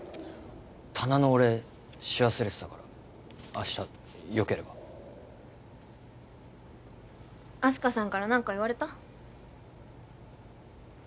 棚のお礼し忘れてたから明日よければあす花さんから何か言われた？